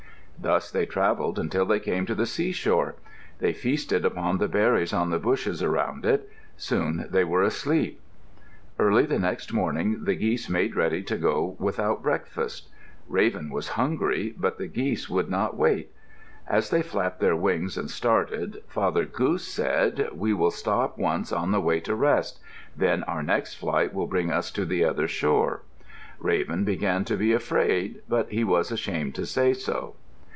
Thus they travelled until they came to the seashore. They feasted upon the berries on the bushes around it. Soon they were asleep. Early the next morning the geese made ready to go without breakfast. Raven was hungry but the geese would not wait. As they flapped their wings and started, Father Goose said, "We will stop once on the way to rest; then our next flight will bring us to the other shore." Raven began to be afraid, but he was ashamed to say so.